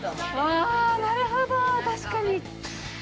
あなるほど確かに。